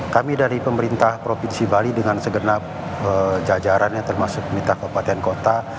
kami dari pemerintah provinsi bali dengan segenap jajarannya termasuk pemerintah kabupaten kota